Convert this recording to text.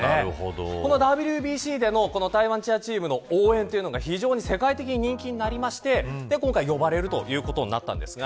このＷＢＣでの台湾チアチームの応援というのが非常に世界的に人気になって今回、呼ばれるということになったんです。